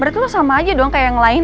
berarti lo sama aja dong kayak yang lain